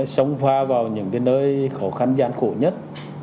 sống pha vào những nơi khó khăn gian khổ nhất